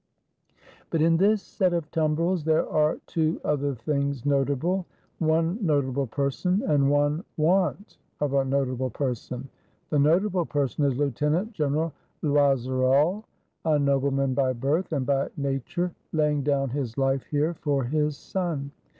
But in this set of Tumbrels there are two other things notable : one notable person ; and one want of a nota ble person. The notable person is Lieutenant General Loiserolles, a nobleman by birth, and by nature; laying down his Hfe here for his son.